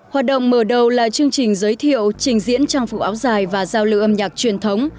hoạt động mở đầu là chương trình giới thiệu trình diễn trang phục áo dài và giao lưu âm nhạc truyền thống